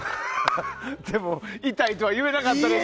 でも痛いとは言えなかったでしょ？